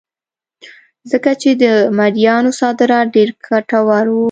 ځکه چې د مریانو صادرات ډېر ګټور وو.